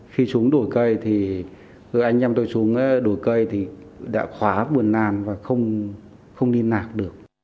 khi xuống đổi cây thì anh em tôi xuống đổi cây thì đã khóa buồn nan và không đi nạc được